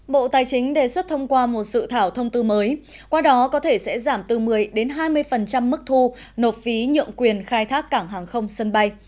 bộ tài chính đề xuất thông qua một sự thảo thông tư mới qua đó có thể sẽ giảm từ một mươi hai mươi mức thu nộp phí nhượng quyền khai thác cảng hàng không sân bay